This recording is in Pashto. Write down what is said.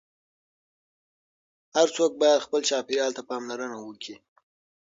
هر څوک باید خپل چاپیریال ته پاملرنه وکړي.